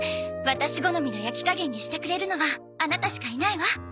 ワタシ好みの焼き加減にしてくれるのはアナタしかいないわ。